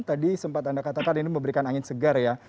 tadi sempat anda katakan ini memberikan angin segar ya